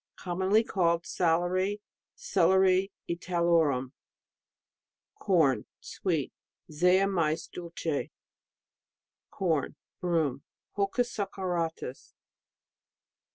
commonly called Salary Celeri Italorum. Corn, sweet ... Zea mays dulce. Corn, broom ... Holcus saccharatus.